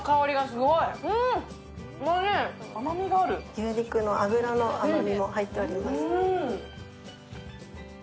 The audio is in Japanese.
牛肉の脂の甘みも入っております。